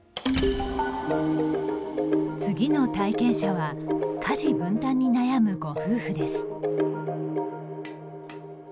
次の体験者は家事分担に悩むご夫婦です。